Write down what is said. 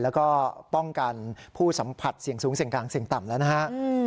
แล้วก็ป้องกันผู้สัมผัสเสี่ยงสูงเสี่ยงกลางเสี่ยงต่ำแล้วนะฮะ